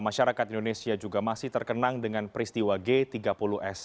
masyarakat indonesia juga masih terkenang dengan peristiwa g tiga puluh s